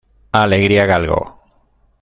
Alegría Galgo.